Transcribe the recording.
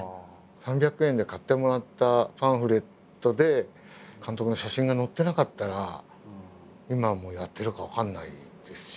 ３００円で買ってもらったパンフレットで監督の写真が載ってなかったら今もやってるか分からないですし。